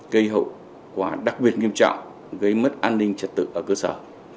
gây hậu quả đặc biệt nghiêm trọng gây mất an ninh trật tự ở cơ sở